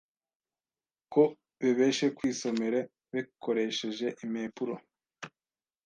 ko bebeshe kwisomere bekoresheje impepuro